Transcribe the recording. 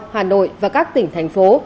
hà nội và các tỉnh thành phố